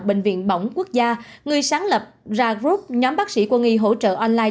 bệnh viện bỏng quốc gia người sáng lập ra group nhóm bác sĩ quân y hỗ trợ online